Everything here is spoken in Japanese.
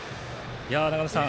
長野さん